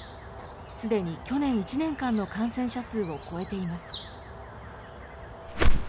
すでに去年１年間の感染者数を超えています。